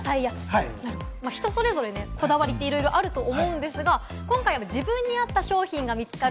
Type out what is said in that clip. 人それぞれこだわりってあると思うんですが、今回は自分に合った商品が見つかる